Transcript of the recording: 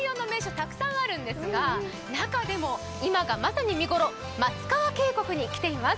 たくさんあるんですが中でも今がまさに見頃、松川渓谷に来ています。